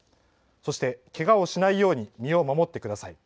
そして、けがをしないように身を守ってください。